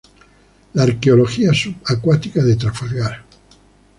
La Arqueología Subacuática de Trafalgar.